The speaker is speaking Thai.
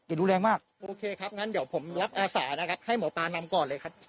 โอเคครับงั้นเดี๋ยวผมรักอาสานะครับให้หมอปลานำก่อนเลยครับ